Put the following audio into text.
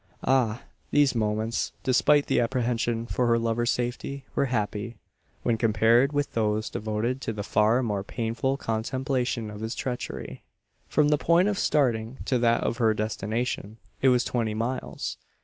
Ah! these moments despite the apprehension for her lover's safety were happy, when compared with those devoted to the far more painful contemplation of his treachery. From the point of starting to that of her destination, it was twenty miles.